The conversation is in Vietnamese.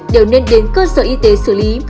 đều nên đến cơ sở y tế xử lý